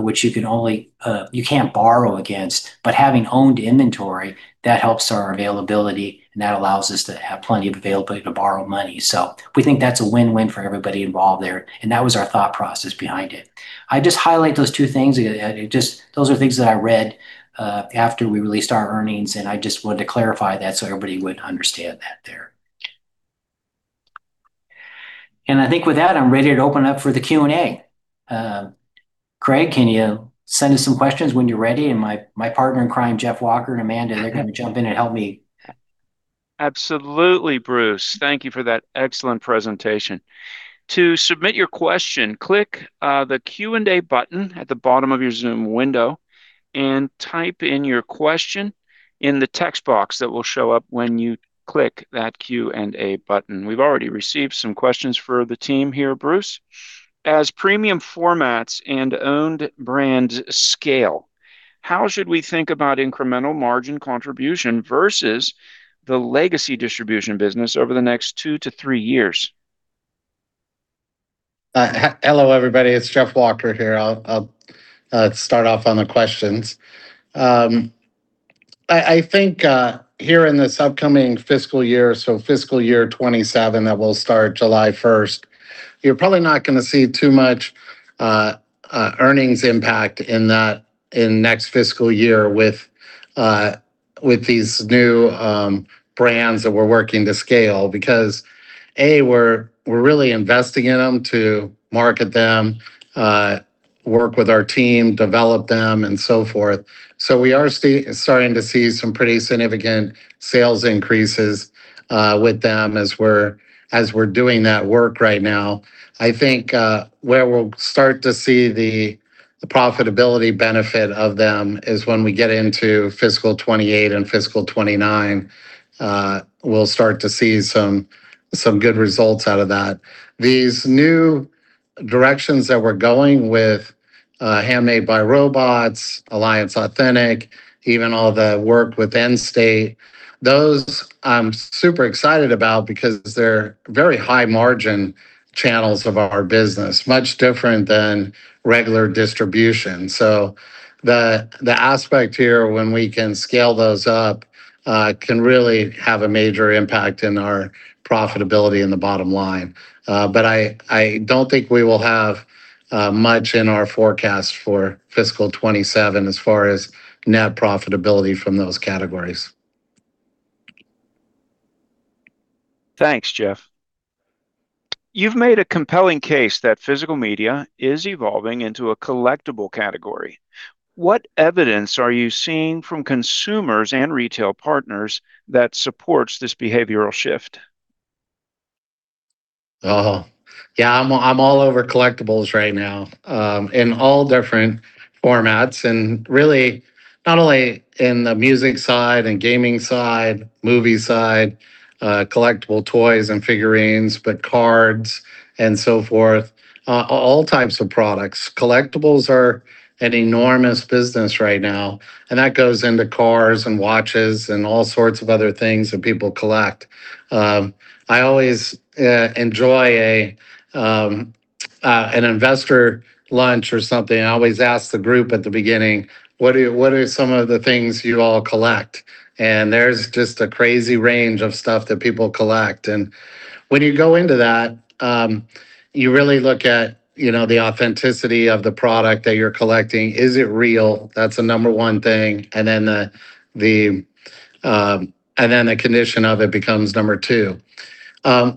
which you can't borrow against. Having owned inventory, that helps our availability, and that allows us to have plenty of availability to borrow money. We think that's a win-win for everybody involved there, and that was our thought process behind it. I just highlight those two things. Those are things that I read after we released our earnings, and I just wanted to clarify that so everybody would understand that there. I think with that, I'm ready to open up for the Q&A. Craig, can you send us some questions when you're ready? My partner in crime, Jeff Walker, and Amanda, they're going to jump in and help me. Absolutely, Bruce. Thank you for that excellent presentation. To submit your question, click the Q&A button at the bottom of your Zoom window and type in your question in the text box that will show up when you click that Q&A button. We've already received some questions for the team here, Bruce. As premium formats and owned brands scale, how should we think about incremental margin contribution versus the legacy distribution business over the next two-three years? Hello, everybody. It's Jeff Walker here. I'll start off on the questions. I think here in this upcoming fiscal year, so fiscal year 2027 that will start July 1st, you're probably not going to see too much earnings impact in next fiscal year with these new brands that we're working to scale because, A, we're really investing in them to market them, work with our team, develop them, and so forth. We are starting to see some pretty significant sales increases with them as we're doing that work right now. I think where we'll start to see the profitability benefit of them is when we get into fiscal 2028 and fiscal 2029. We'll start to see some good results out of that. These new directions that we're going with Handmade by Robots, Alliance Authentic, even all the work with Endstate, those I'm super excited about because they're very high margin channels of our business, much different than regular distribution. The aspect here when we can scale those up can really have a major impact in our profitability and the bottom line. I don't think we will have much in our forecast for fiscal 2027 as far as net profitability from those categories. Thanks, Jeff. You've made a compelling case that physical media is evolving into a collectible category. What evidence are you seeing from consumers and retail partners that supports this behavioral shift? Oh, yeah. I'm all over collectibles right now, in all different formats. Really, not only in the music side and gaming side, movie side, collectible toys and figurines, but cards and so forth, all types of products. Collectibles are an enormous business right now, and that goes into cars and watches and all sorts of other things that people collect. I always enjoy an investor lunch or something. I always ask the group at the beginning, "What are some of the things you all collect?" There's just a crazy range of stuff that people collect. When you go into that, you really look at the authenticity of the product that you're collecting. Is it real? That's the number one thing, and then the condition of it becomes number two.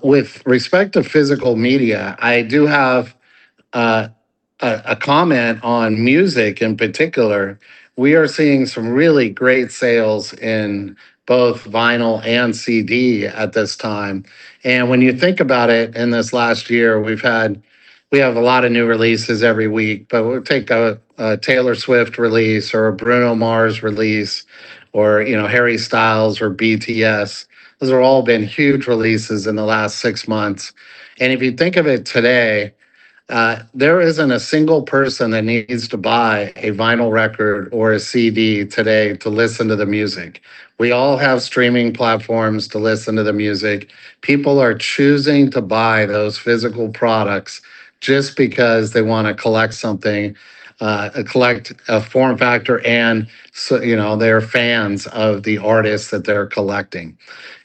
With respect to physical media, I do have a comment on music in particular. We are seeing some really great sales in both vinyl and CD at this time. When you think about it, in this last year, we have a lot of new releases every week, but we'll take a Taylor Swift release or a Bruno Mars release, or Harry Styles or BTS. Those have all been huge releases in the last six months. If you think of it today, there isn't a single person that needs to buy a vinyl record or a CD today to listen to the music. We all have streaming platforms to listen to the music. People are choosing to buy those physical products just because they want to collect something, collect a form factor, and they're fans of the artists that they're collecting.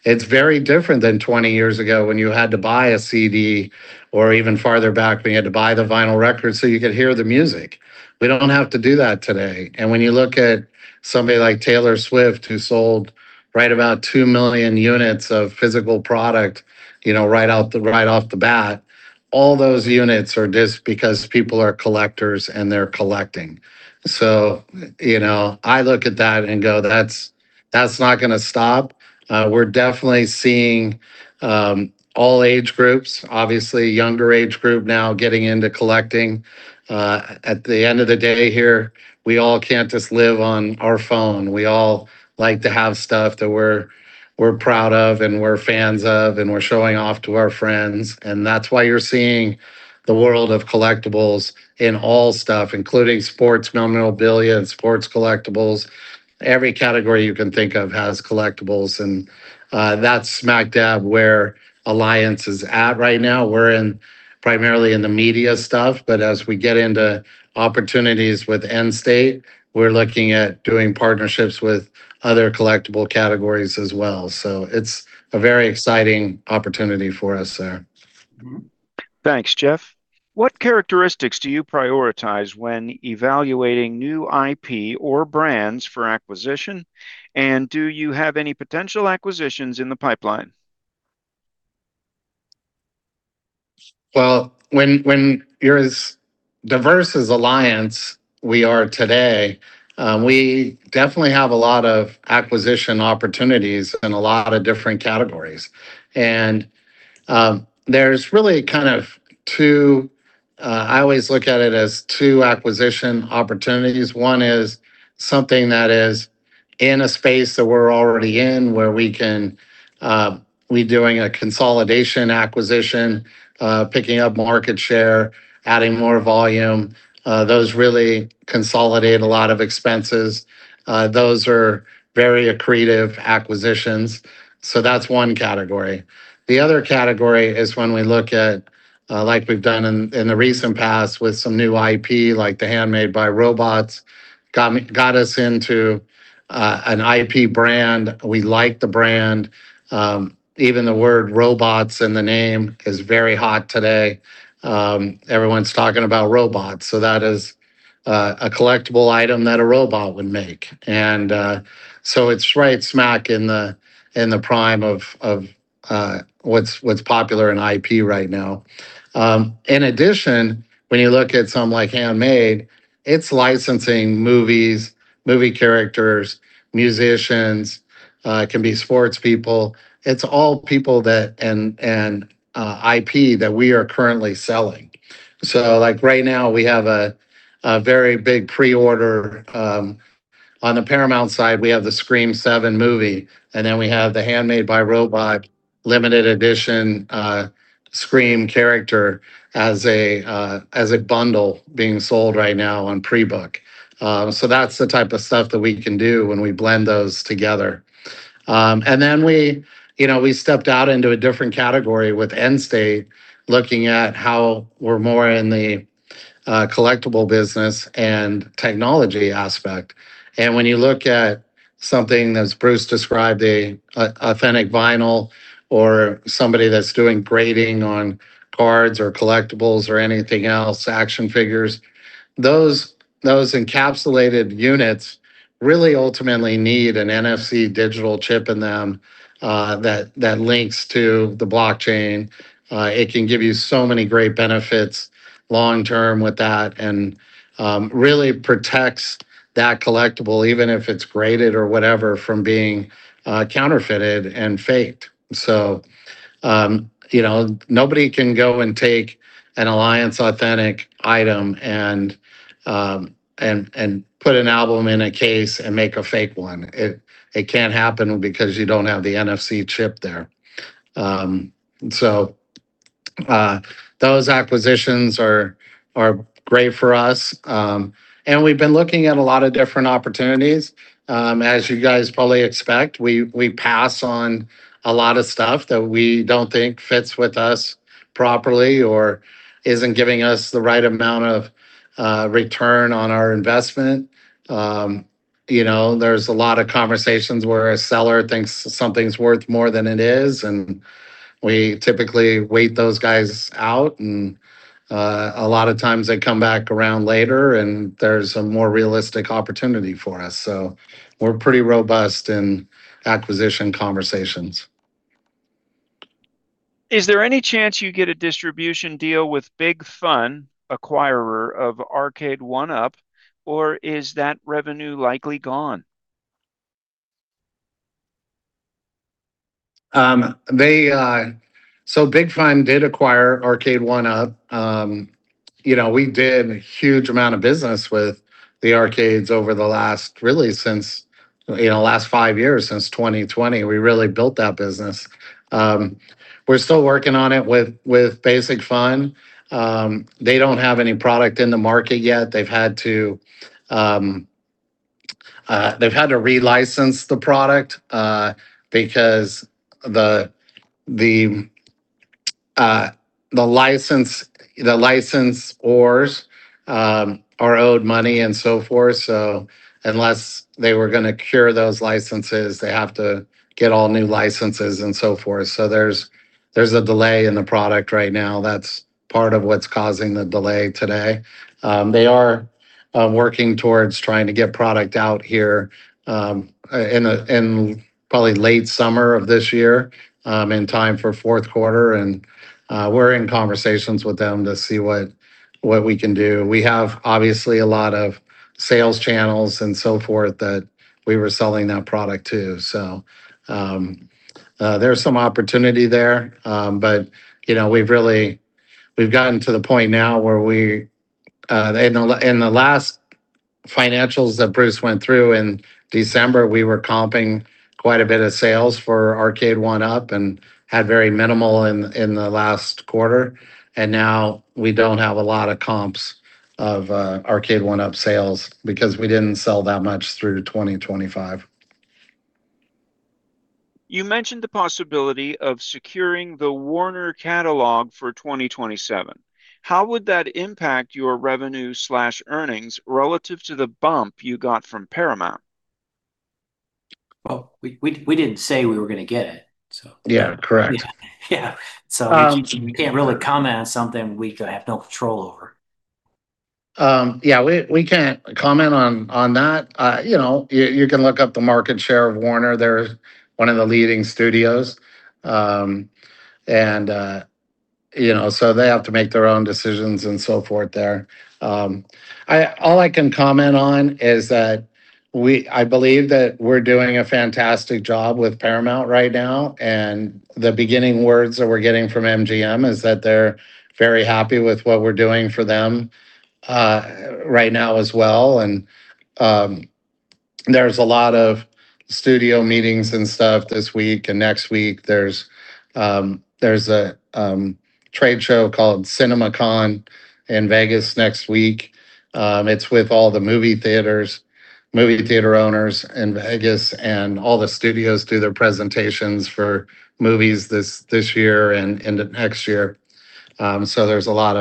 It's very different than 20 years ago when you had to buy a CD or even farther back, when you had to buy the vinyl record so you could hear the music. We don't have to do that today. When you look at somebody like Taylor Swift, who sold right about 2 million units of physical product right off the bat, all those units are just because people are collectors and they're collecting. I look at that and go, "That's not going to stop." We're definitely seeing all age groups, obviously younger age group now getting into collecting. At the end of the day here, we all can't just live on our phone. We all like to have stuff that we're proud of and we're fans of and we're showing off to our friends. That's why you're seeing the world of collectibles in all stuff, including sports memorabilia and sports collectibles. Every category you can think of has collectibles, and that's smack dab where Alliance is at right now. We're primarily in the media stuff, but as we get into opportunities with Endstate, we're looking at doing partnerships with other collectible categories as well. It's a very exciting opportunity for us there. Thanks, Jeff. What characteristics do you prioritize when evaluating new IP or brands for acquisition? Do you have any potential acquisitions in the pipeline? Well, when you're as diverse as Alliance, we are today, we definitely have a lot of acquisition opportunities in a lot of different categories. There's really kind of two acquisition opportunities. I always look at it as two acquisition opportunities. One is something that is in a space that we're already in, where we're doing a consolidation acquisition, picking up market share, adding more volume. Those really consolidate a lot of expenses. Those are very accretive acquisitions. That's one category. The other category is one we look at, like we've done in the recent past with some new IP, like the Handmade by Robots got us into an IP brand. We like the brand. Even the word "robots" in the name is very hot today. Everyone's talking about robots, so that is a collectible item that a robot would make. It's right smack in the prime of what's popular in IP right now. In addition, when you look at something like Handmade by Robots, it's licensing movies, movie characters, musicians. It can be sports people. It's all people that, and IP that we are currently selling. Like right now, we have a very big pre-order. On the Paramount side, we have the "Scream 7" movie, and then we have the Handmade by Robots limited edition Scream character as a bundle being sold right now on pre-book. That's the type of stuff that we can do when we blend those together. We stepped out into a different category with Endstate, looking at how we're more in the collectible business and technology aspect. When you look at something, as Bruce described, an authentic vinyl or somebody that's doing grading on cards or collectibles or anything else, action figures, those encapsulated units really ultimately need an NFC digital chip in them that links to the blockchain. It can give you so many great benefits long term with that and really protects that collectible, even if it's graded or whatever, from being counterfeited and faked. Nobody can go and take an Alliance Authentic item and put an album in a case and make a fake one. It can't happen because you don't have the NFC chip there. Those acquisitions are great for us. We've been looking at a lot of different opportunities. As you guys probably expect, we pass on a lot of stuff that we don't think fits with us properly or isn't giving us the right amount of return on our investment. There's a lot of conversations where a seller thinks something's worth more than it is, and we typically wait those guys out. A lot of times they come back around later, and there's a more realistic opportunity for us. We're pretty robust in acquisition conversations. Is there any chance you get a distribution deal with Basic Fun! acquirer of Arcade1Up? Or is that revenue likely gone? Big Fun did acquire Arcade1Up. We did a huge amount of business with the arcades over the last, really since last five years, since 2020. We really built that business. We're still working on it with Basic Fun!! They don't have any product in the market yet. They've had to relicense the product, because the license owners are owed money and so forth. Unless they were going to cure those licenses, they have to get all new licenses and so forth. There's a delay in the product right now. That's part of what's causing the delay today. They are working towards trying to get product out here in probably late summer of this year, in time for fourth quarter. We're in conversations with them to see what we can do. We have obviously a lot of sales channels and so forth that we were selling that product to. There's some opportunity there. We've gotten to the point now where, in the last financials that Bruce went through in December, we were comping quite a bit of sales for Arcade1Up and had very minimal in the last quarter. Now we don't have a lot of comps of Arcade1Up sales because we didn't sell that much through 2025. You mentioned the possibility of securing the Warner catalog for 2027. How would that impact your revenue/earnings relative to the bump you got from Paramount? Well, we didn't say we were going to get it, so. Yeah, correct. Yeah. Um We can't really comment on something we have no control over. Yeah, we can't comment on that. You can look up the market share of Warner. They're one of the leading studios. They have to make their own decisions and so forth there. All I can comment on is that I believe that we're doing a fantastic job with Paramount right now, and the beginning words that we're getting from MGM is that they're very happy with what we're doing for them right now as well, and there's a lot of studio meetings and stuff this week and next week. There's a trade show called CinemaCon in Vegas next week. It's with all the movie theater owners in Vegas, and all the studios do their presentations for movies this year and into next year. There's a lot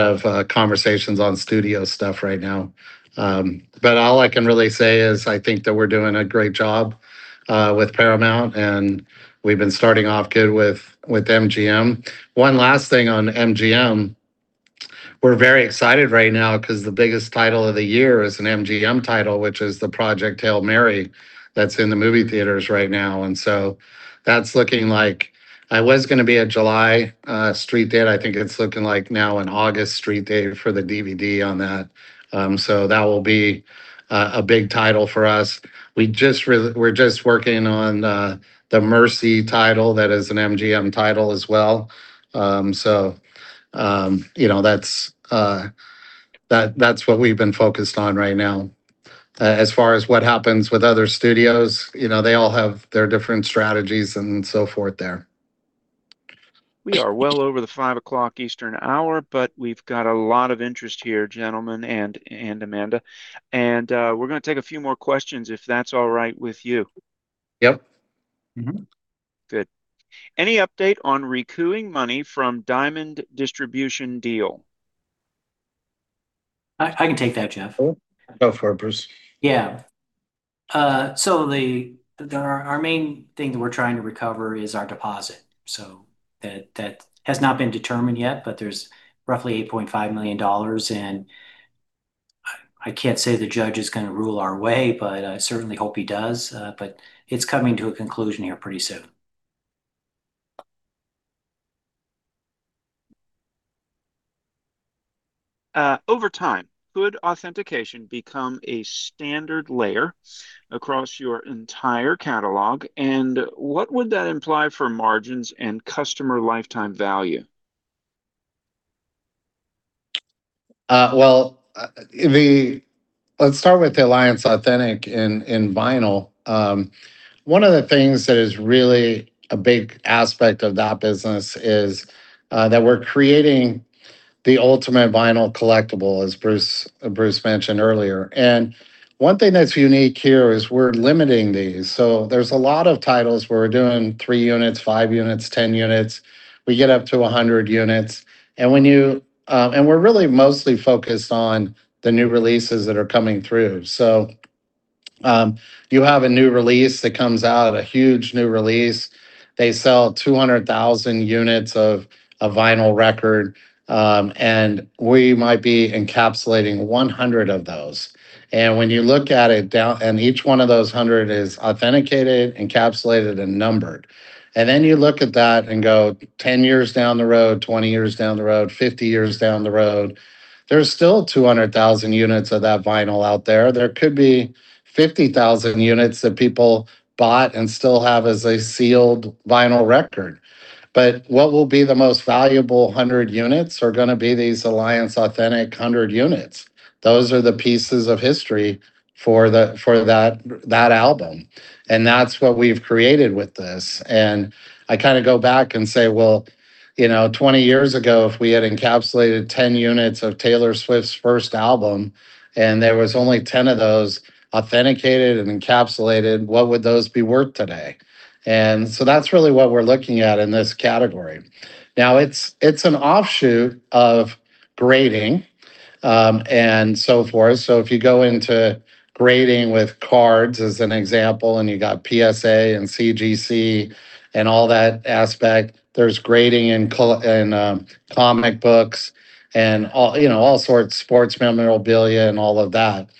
of conversations on studio stuff right now. All I can really say is I think that we're doing a great job with Paramount, and we've been starting off good with MGM. One last thing on MGM, we're very excited right now because the biggest title of the year is an MGM title, which is the Project Hail Mary that's in the movie theaters right now. That's looking like it was going to be a July street date. I think it's looking like now an August street date for the DVD on that. That will be a big title for us. We're just working on the Mercy title that is an MGM title as well. That's what we've been focused on right now. As far as what happens with other studios, they all have their different strategies and so forth there. We are well over the 5:00 Eastern hour, but we've got a lot of interest here, gentlemen and Amanda. We're going to take a few more questions if that's all right with you. Yep. Mm-hmm. Good. Any update on recouping money from Diamond distribution deal? I can take that, Jeff. Go for it, Bruce. Yeah. Our main thing that we're trying to recover is our deposit. That has not been determined yet, but there's roughly $8.5 million, and I can't say the judge is going to rule our way, but I certainly hope he does. It's coming to a conclusion here pretty soon. Over time, could authentication become a standard layer across your entire catalog, and what would that imply for margins and customer lifetime value? Well, let's start with the Alliance Authentic in vinyl. One of the things that is really a big aspect of that business is that we're creating the ultimate vinyl collectible, as Bruce mentioned earlier. One thing that's unique here is we're limiting these. There's a lot of titles where we're doing three units, five units, 10 units. We get up to 100 units. We're really mostly focused on the new releases that are coming through. You have a new release that comes out, a huge new release. They sell 200,000 units of a vinyl record, and we might be encapsulating 100 of those. When you look at it, and each one of those 100 is authenticated, encapsulated, and numbered. You look at that and go 10 years down the road, 20 years down the road, 50 years down the road, there's still 200,000 units of that vinyl out there. There could be 50,000 units that people bought and still have as a sealed vinyl record. What will be the most valuable 100 units are going to be these Alliance Authentic 100 units. Those are the pieces of history for that album. That's what we've created with this. I go back and say, well, 20 years ago, if we had encapsulated 10 units of Taylor Swift's first album, and there was only 10 of those authenticated and encapsulated, what would those be worth today? That's really what we're looking at in this category. Now, it's an offshoot of grading, and so forth. If you go into grading with cards as an example, you got PSA and CGC and all that aspect, there's grading in comic books and all sorts, sports memorabilia and all of that.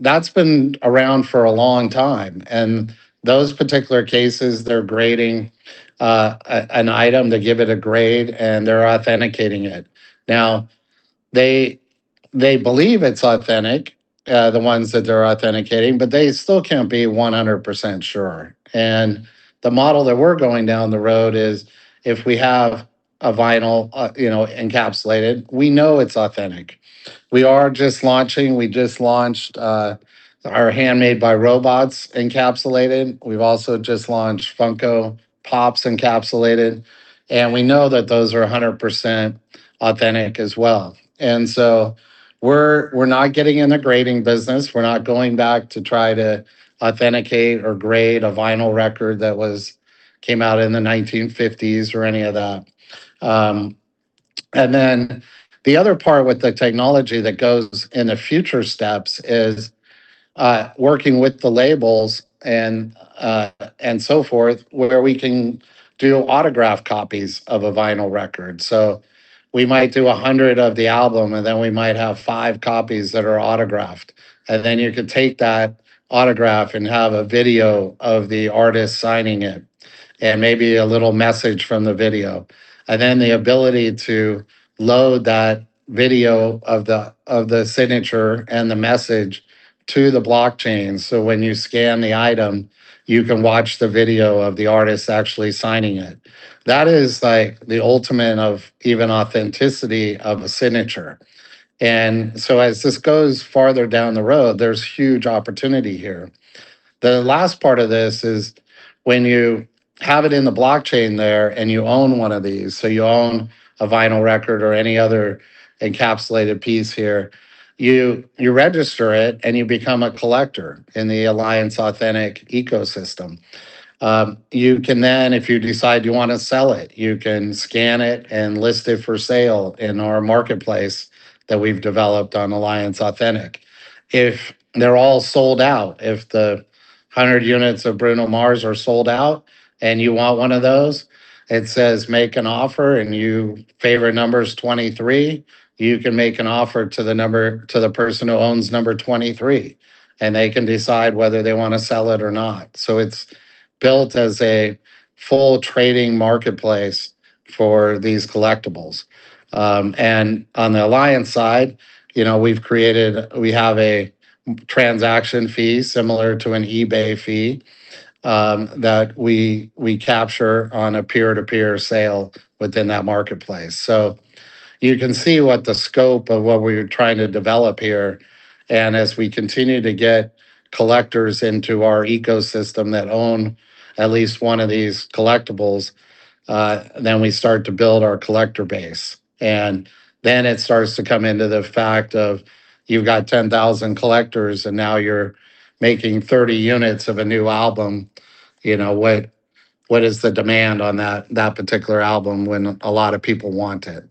That's been around for a long time. Those particular cases, they're grading an item, they give it a grade, and they're authenticating it. Now, they believe it's authentic, the ones that they're authenticating, but they still can't be 100% sure. The model that we're going down the road is if we have a vinyl encapsulated, we know it's authentic. We just launched our Handmade by Robots encapsulated. We've also just launched Funko Pops encapsulated, and we know that those are 100% authentic as well. We're not getting in the grading business. We're not going back to try to authenticate or grade a vinyl record that came out in the 1950s or any of that. The other part with the technology that goes in the future steps is working with the labels and so forth, where we can do autographed copies of a vinyl record. We might do 100 of the album, and then we might have five copies that are autographed. You can take that autograph and have a video of the artist signing it, and maybe a little message from the video. The ability to load that video of the signature and the message to the blockchain, so when you scan the item, you can watch the video of the artist actually signing it. That is the ultimate of even authenticity of a signature. As this goes farther down the road, there's huge opportunity here. The last part of this is when you have it in the blockchain there and you own one of these, so you own a vinyl record or any other encapsulated piece here, you register it, and you become a collector in the Alliance Authentic ecosystem. You can then, if you decide you want to sell it, you can scan it and list it for sale in our marketplace that we've developed on Alliance Authentic. If they're all sold out, if the 100 units of Bruno Mars are sold out and you want one of those, it says, "Make an offer," and your favorite number's 23, you can make an offer to the person who owns number 23, and they can decide whether they want to sell it or not. It's built as a full trading marketplace for these collectibles. On the Alliance side, we have a transaction fee similar to an eBay fee, that we capture on a peer-to-peer sale within that marketplace. You can see what the scope of what we're trying to develop here. As we continue to get collectors into our ecosystem that own at least one of these collectibles, then we start to build our collector base. Then it starts to come into the fact of you've got 10,000 collectors, and now you're making 30 units of a new album. What is the demand on that particular album when a lot of people want it?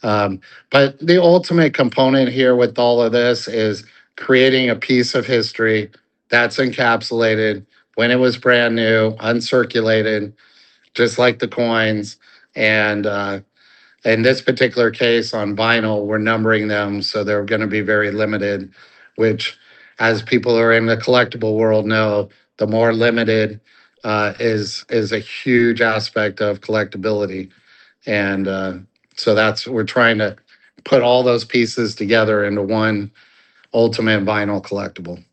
The ultimate component here with all of this is creating a piece of history that's encapsulated when it was brand-new, uncirculated, just like the coins. In this particular case, on vinyl, we're numbering them, so they're going to be very limited, which, as people who are in the collectible world know, the more limited is a huge aspect of collectibility. We're trying to put all those pieces together into one ultimate vinyl collectible.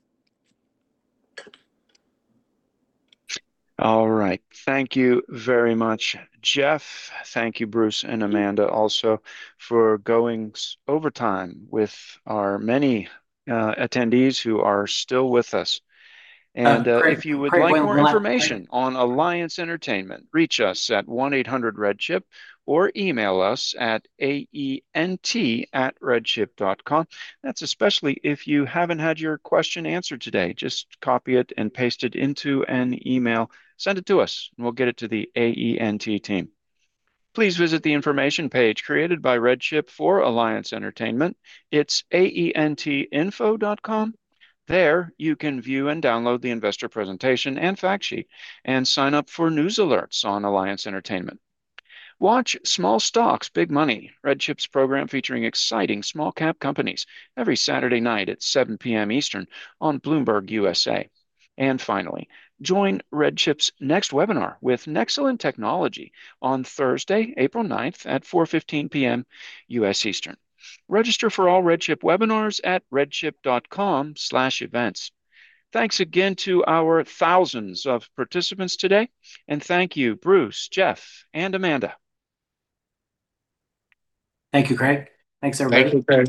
All right. Thank you very much, Jeff. Thank you, Bruce and Amanda also, for going over time with our many attendees who are still with us. Craig, one last thing- If you would like more information on Alliance Entertainment, reach us at 1-800-REDCHIP, or email us at aent@redchip.com. That's especially if you haven't had your question answered today. Just copy it and paste it into an email. Send it to us, and we'll get it to the AENT team. Please visit the information page created by RedChip for Alliance Entertainment. It's aentinfo.com. There, you can view and download the investor presentation and fact sheet and sign up for news alerts on Alliance Entertainment. Watch "Small Stocks, Big Money," RedChip's program featuring exciting small cap companies every Saturday night at 7:00 P.M. Eastern on Bloomberg USA. Finally, join RedChip's next webinar with Nexxen Technology on Thursday, April 9th at 4:15 P.M. U.S. Eastern. Register for all RedChip webinars at redchip.com/events. Thanks again to our thousands of participants today. Thank you, Bruce, Jeff, and Amanda. Thank you, Craig. Thanks, everybody. Thank you, Craig.